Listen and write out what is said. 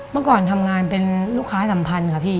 เมื่อก่อนทำงานเป็นลูกค้าสัมพันธ์ค่ะพี่